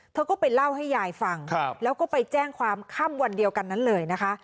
เธอก็ไปเล่าให้ยายฟังแล้วก็ไปแจ้งความค่ำวันเดียวกันนั้นเลยนะคะ